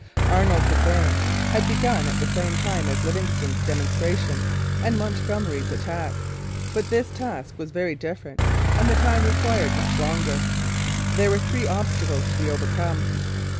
Arnold's advance had begun at the same time as Livingston's demonstration and Montgomery's attack. But his task was very different and the time required much longer. There were three obstacles to be overcome.